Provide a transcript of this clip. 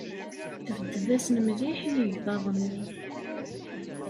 Tebded-asen mliḥ i yegḍaḍ-nni.